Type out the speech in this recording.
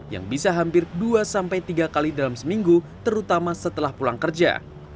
yang bisa hampir dua tiga kali dalam seminggu terutama setelah pulang kerja